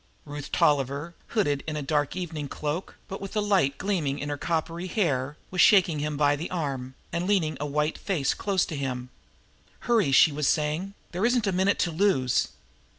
Ruth Tolliver, hooded in an evening cloak, but with the light gleaming in her coppery hair, was shaking him by the arm and leaning a white face close to him. "Hurry!" she was saying. "There isn't a minute to lose.